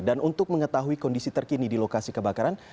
dan untuk mengetahui kondisi terkini di lokasi kebakaran